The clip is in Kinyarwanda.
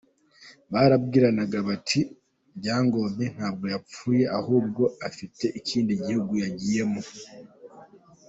Barabwiranaga bati “Ryangombe ntabwo yapfuye, ahubwo afite ikindi gihugu yagiyemo.